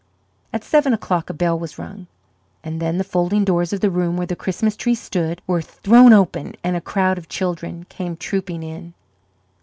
At seven o'clock a bell was rung, and then the folding doors of the room where the Christmas tree stood were thrown open, and a crowd of children came trooping in.